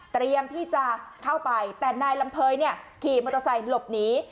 เตรียมที่จะเข้าไปแต่นายลำเภยเนี่ยขี่มอเตอร์ไซค์หลบหนี